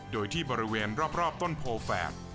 โดยที่บริเวณรอบต้นโพแฝด